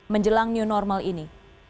menjelang new normal ini